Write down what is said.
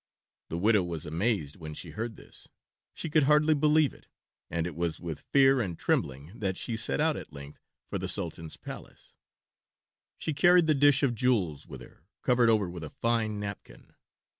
The widow was amazed when she heard this. She could hardly believe it, and it was with fear and trembling that she set out at length for the Sultan's palace. She carried the dish of jewels with her, covered over with a fine napkin.